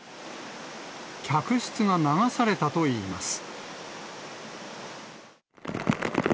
客室が流されたといいます。